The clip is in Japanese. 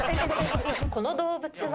この動物は？